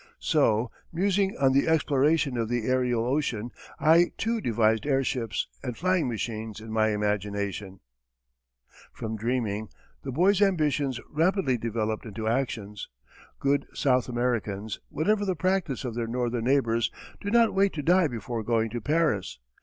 So, musing on the exploration of the aërial ocean, I, too, devised airships and flying machines in my imagination. [Illustration: © U. & U. A British "Blimp" Photographed from Above.] From dreaming, the boy's ambitions rapidly developed into actions. Good South Americans, whatever the practice of their northern neighbours, do not wait to die before going to Paris.